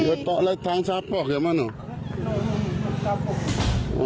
แบบก้อนใกล้ทั้งทั้งสะพอกอย่างไรรึไง